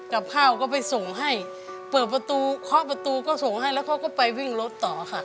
กับข้าวก็ไปส่งให้เปิดประตูเคาะประตูก็ส่งให้แล้วเขาก็ไปวิ่งรถต่อค่ะ